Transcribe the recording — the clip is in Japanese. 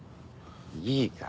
いいから。